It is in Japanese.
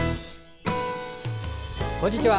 こんにちは。